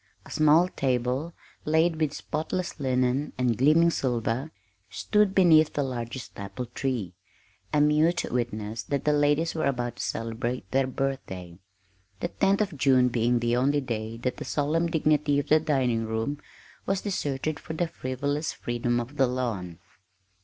A small table laid with spotless linen and gleaming silver stood beneath the largest apple tree, a mute witness that the ladies were about to celebrate their birthday the 10th of June being the only day that the solemn dignity of the dining room was deserted for the frivolous freedom of the lawn.